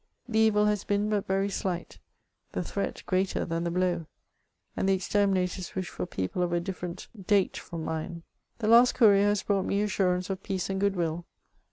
The evil has been but very slight ;— the threat greater than the blow ;— and the exterminators wished for people of a c^erent date from mine. The last courier has Inrought me assurance of peace and good will.